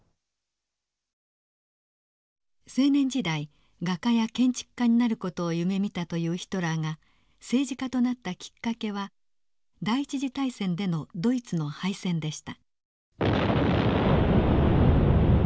青年時代画家や建築家になる事を夢みたというヒトラーが政治家となったきっかけは第一次大戦でのドイツの敗戦でした。